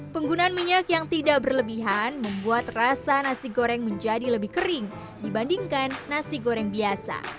penggunaan minyak yang tidak berlebihan membuat rasa nasi goreng menjadi lebih kering dibandingkan nasi goreng biasa